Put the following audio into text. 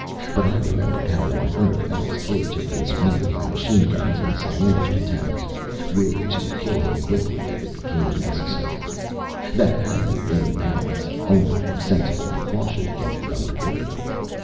But I remembered how, on Earth, Etl's cage had been surrounded by machine guns and cyanogen tanks, rigged to kill him quickly if it became necessary. That hadn't been malice, only sensible precaution against the unpredictable.